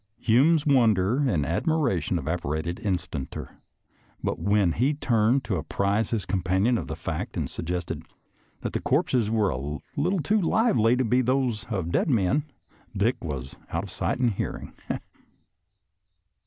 Hume's wonder and admiration evaporated instanter, but when he turned to apprise his companion of the fact and suggest that the corpses were a little too lively to be those of dead men, Dick was out of sight and hearing.